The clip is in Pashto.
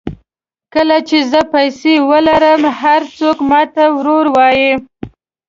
کله چې زه پیسې ولرم هر څوک ماته ورور وایي.